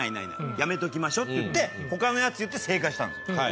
やめときましょって言って他のやつ言って正解したんです。